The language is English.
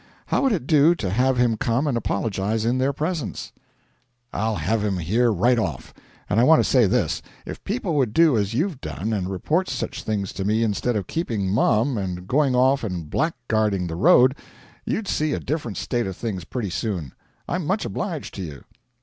How would it do to have him come and apologise in their presence?' 'I'll have him here right off. And I want to say this: If people would do as you've done, and report such things to me instead of keeping mum and going off and blackguarding the road, you'd see a different state of things pretty soon. I'm much obliged to you.'